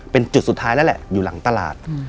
เป็นจุดสุดท้ายแล้วแหละอยู่หลังตลาด